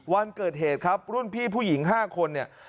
วันเกิดเหตุครับรุ่นพี่ผู้หญิง๕คนเนี่ย